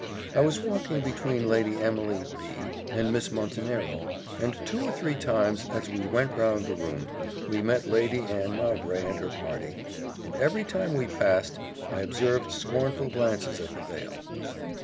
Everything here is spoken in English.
I was walking between Lady Emily B and Miss Montenero, and two or three times, as we went round the room, we met Lady Anne Mowbray and her party, and every time we passed, I observed scornful glances at the veil.